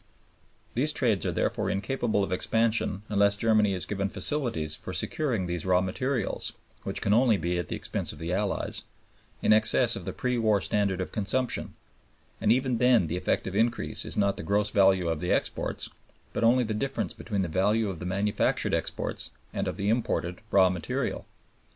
These trades are therefore incapable of expansion unless Germany is given facilities for securing these raw materials (which can only be at the expense of the Allies) in excess of the pre war standard of consumption, and even then the effective increase is not the gross value of the exports, but only the difference between the value of the manufactured exports and of the imported raw material.